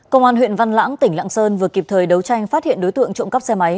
công an huyện văn lãng tỉnh lạng sơn vừa kịp thời đấu tranh phát hiện đối tượng trộm cắp xe máy